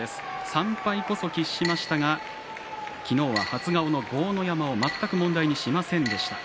３敗こそ喫しましたが昨日は初顔の豪ノ山を全く問題にしませんでした。